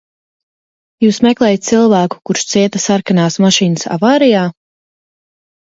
Jūs meklējat cilvēku, kurš cieta sarkanās mašīnas avārijā?